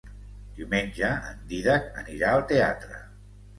Diumenge en Dídac anirà al teatre.